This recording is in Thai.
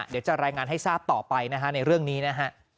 เดี๋ยวจะรายงานให้ทราบต่อไปนะฮะในเรื่องนี้นะฮะ